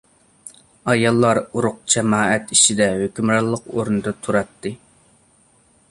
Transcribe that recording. ئاياللار ئۇرۇق-جامائەت ئىچىدە ھۆكۈمرانلىق ئورۇندا تۇراتتى.